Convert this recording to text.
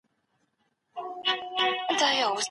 لس او دوه دوولس کېږي.